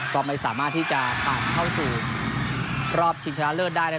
ก็ไม่สามารถที่จะผ่านเข้าสู่รอบชิงชนะเลิศได้